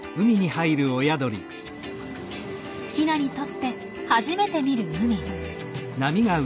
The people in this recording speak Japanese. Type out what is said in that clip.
ヒナにとって初めて見る海。